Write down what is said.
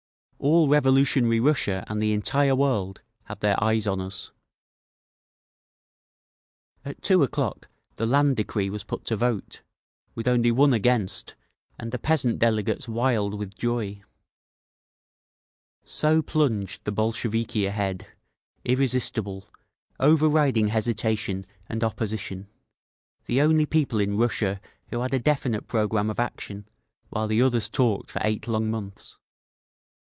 All revolutionary Russia and the entire world have their eyes on us…. At two o'clock the Land Decree was put to vote, with only one against and the peasant delegates wild with joy…. So plunged the Bolsheviki ahead, irresistible, over riding hesitation and opposition—the only people in Russia who had a definite programme of action while the others talked for eight long months.